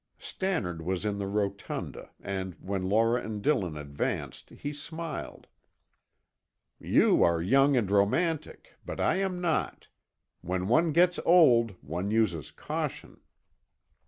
Stannard was in the rotunda, and when Laura and Dillon advanced he smiled. "You are young and romantic, but I am not. When one gets old one uses caution."